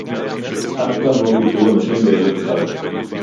אף פעם לא פיטרו אנשים בערב חג